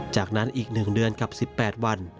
จากนั้นอีก๑เดือนกับ๑๘วัน